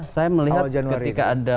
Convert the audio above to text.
saya melihat ketika ada